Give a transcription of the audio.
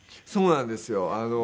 そうなんですよ。